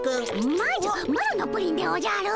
まずマロのプリンでおじゃる。